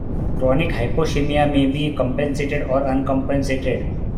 Chronic hypoxemia may be compensated or uncompensated.